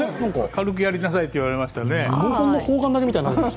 軽くやりなさいと言われましたね。